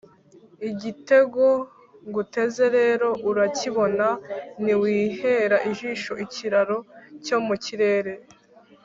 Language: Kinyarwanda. Igitego nguteze rero urakibona niwihera ijisho ikiraro cyo mu kirere,